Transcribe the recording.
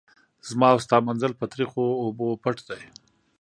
زما او ستا منزل په تریخو اوبو پټ دی.